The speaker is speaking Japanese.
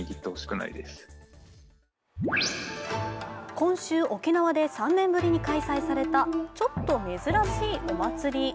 今週、沖縄で３年ぶりに開催されたちょっと珍しいお祭り。